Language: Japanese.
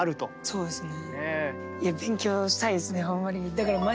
そうですね。